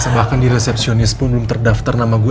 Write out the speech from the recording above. bahkan di resepsionis pun belum terdaftar nama gue